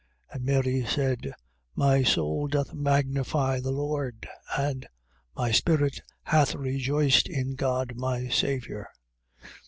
1:46. And Mary said: My soul doth magnify the Lord. 1:47. And my spirit hath rejoiced in God my Saviour.